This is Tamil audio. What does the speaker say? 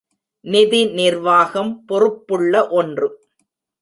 நிதி நிர்வாகம் பொறுப்புள்ள ஒன்று.